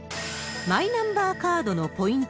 マイナンバーカードのポイント